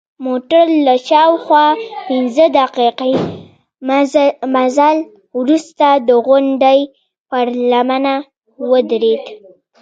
موټر له شاوخوا پنځه دقیقې مزل وروسته د غونډۍ پر لمنه ودرید.